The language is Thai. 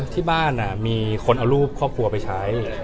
ที่บ้านมีคนเอารูปเค้าคับพูระไปใช้